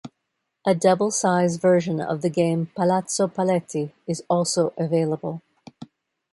A double-size version of the game, "Palazzo Paletti", is also available.